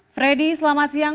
freddy selamat siang